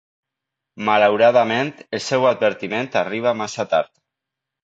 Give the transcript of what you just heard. Malauradament, el seu advertiment arriba massa tard.